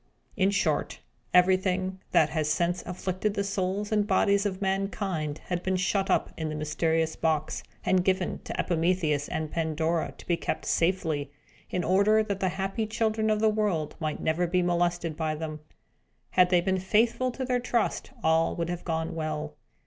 In short, everything that has since afflicted the souls and bodies of mankind had been shut up in the mysterious box, and given to Epimetheus and Pandora to be kept safely, in order that the happy children of the world might never be molested by them. Had they been faithful to their trust, all would have gone well.